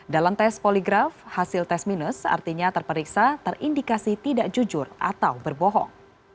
dalam tes poligraf hasil tes minus artinya terperiksa terindikasi tidak jujur atau berbohong